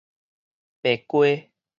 白雞